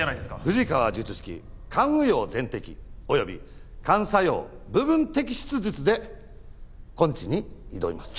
「富士川術式・肝右葉全摘および肝左葉部分摘出術」で根治に挑みます。